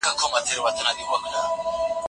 په غبرګو سترګو چي ساقي وینم مینا ووینم